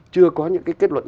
chưa có những cái kết luận